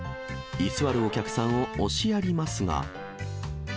居座るお客さんを押しやりますが。